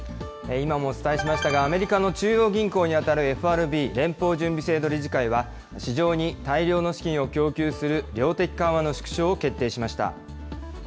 今もお伝えしましたが、アメリカの中央銀行に当たるＦＲＢ・連邦準備制度理事会は、市場に大量の資金を供給する、量的緩和の縮小を決定しました。